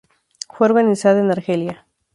Fue organizado en Argelia.